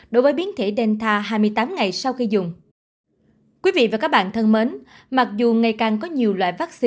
đối với biến thể delta hai mươi tám ngày sau khi dùng